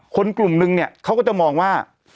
คนกลุ่มนึงเนี่ยเขาก็จะมองว่า